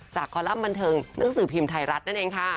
คอลัมป์บันเทิงหนังสือพิมพ์ไทยรัฐนั่นเองค่ะ